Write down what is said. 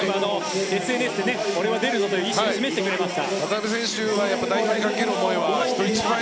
本人もＳＮＳで俺は出るぞと意思を示してくれました。